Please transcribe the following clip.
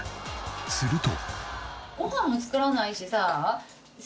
すると。